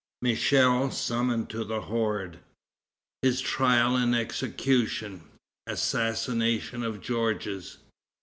Michel Summoned to the Horde. His Trial and Execution. Assassination of Georges.